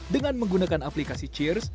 dengan menggunakan aplikasi cheers